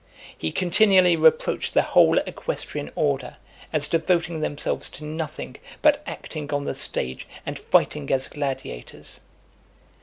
He continually reproached the whole equestrian order, as devoting themselves to nothing but acting on the stage, and fighting as gladiators.